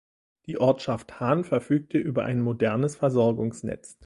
Die Ortschaft Hahn verfügte über ein modernes Versorgungsnetz.